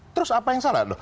terus apa yang salah